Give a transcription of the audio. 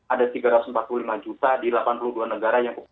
ada tiga ratus empat puluh lima juta di delapan puluh dua negara yang